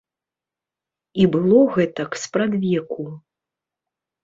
І было гэтак спрадвеку.